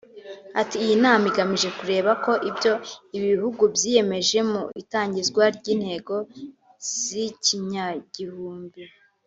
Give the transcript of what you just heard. Ati “Iyi nama igamije kureba ko ibyo ibi bihugu byiyemeje mu itangizwa ry’intego z’ikinyagihumbi